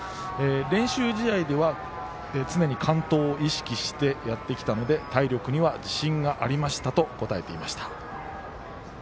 練習試合では常に完投を意識してやってきたので体力には自信がありましたと答えていました。